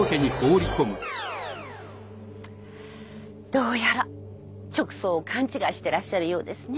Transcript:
どうやら直葬を勘違いしてらっしゃるようですね。